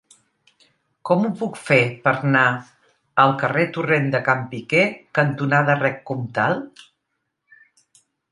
Com ho puc fer per anar al carrer Torrent de Can Piquer cantonada Rec Comtal?